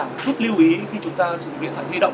một chút lưu ý khi chúng ta sử dụng điện thoại di động